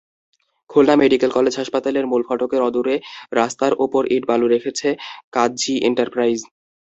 Khulna medical কলেজে হাসপাতালের মূল ফটকের অদূরে রাস্তার ওপর ইট-বালু রেখেছে কাজী এন্টারপ্রাইজ।